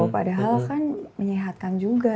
padahal kan menyehatkan juga